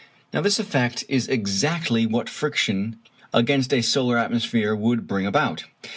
Now this effect is exactly what friction against a solar atmosphere would bring about.